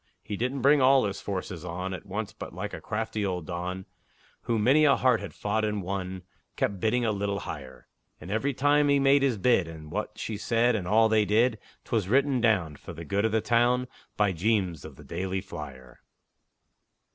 He didn't bring all his forces on At once, but like a crafty old Don, Who many a heart had fought and won, Kept bidding a little higher; And every time he made his bid, And what she said, and all they did 'Twas written down, For the good of the town, By Jeems, of The Daily Flyer.